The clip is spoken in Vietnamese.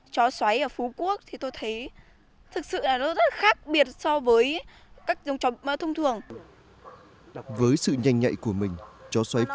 chó xoáy phú quốc có thể đạt được một trường đua